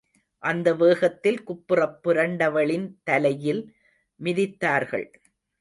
அந்த வேகத்தில் குப்புறப் புரண்டவளின், தலையில் மிதித்தார்கள்.